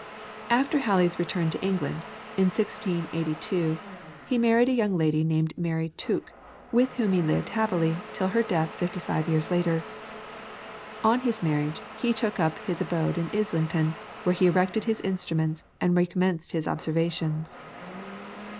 After Halley's return to England, in 1682, he married a young lady named Mary Tooke, with whom he lived happily, till her death fifty five years later. On his marriage, he took up his abode in Islington, where he erected his instruments and recommenced his observations.